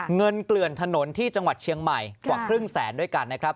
เกลื่อนถนนที่จังหวัดเชียงใหม่กว่าครึ่งแสนด้วยกันนะครับ